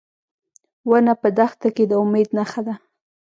ونه په دښته کې د امید نښه ده.